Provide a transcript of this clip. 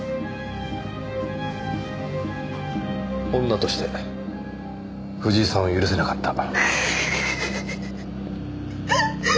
女として藤井さんを許せなかった。